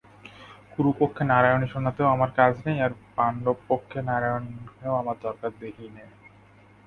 কুরুপক্ষে নারায়ণী সেনাতেও আমার কাজ নেই, আর পাণ্ডবপক্ষে নারায়ণেও আমার দরকার দেখি নে।